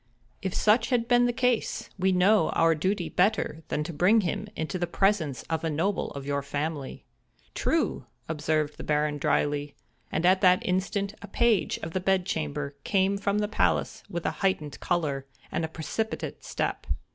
If such had been the case, we know our duty better than to bring him into the presence of a noble of your family." "True!" observed the Baron, dryly, and at that instant a page of the bedchamber came from the palace with a heightened color, and a precipitate step.